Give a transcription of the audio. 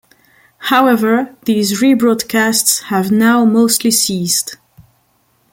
However these re-broadcasts have now mostly ceased.